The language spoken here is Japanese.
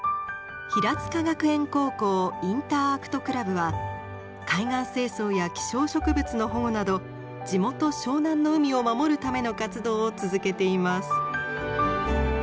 平塚学園高校インターアクトクラブは海岸清掃や希少植物の保護など地元湘南の海を守るための活動を続けています。